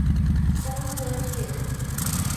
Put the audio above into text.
公車線